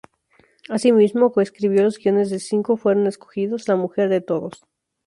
Asimismo coescribió los guiones de "Cinco fueron escogidos, La mujer de todos".